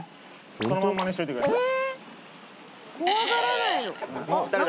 そのまんまにしといてください誰だ？